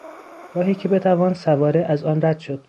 راهی که بتوان سواره از آن رد شد